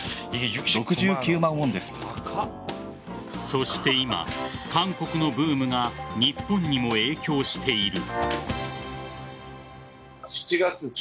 そして今、韓国のブームが日本にも影響している。